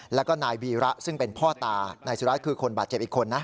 แล้วก็นายวีระซึ่งเป็นพ่อตานายสุรัตน์คือคนบาดเจ็บอีกคนนะ